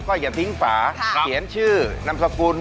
ก็อย่าทิ้งฝาเขียนชื่อนามสกุล